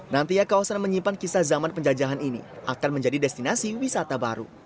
nantinya kawasan menyimpan kisah zaman penjajahan ini akan menjadi destinasi wisata baru